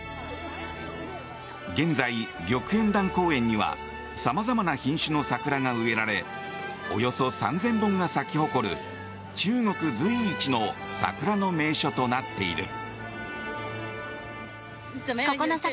現在、玉淵潭公園にはさまざまな品種の桜が植えられおよそ３０００本が咲き誇る中国随一の桜の名所となっている。